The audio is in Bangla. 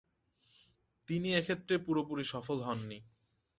তিনি এক্ষেত্রে পুরোপুরি সফল হননি।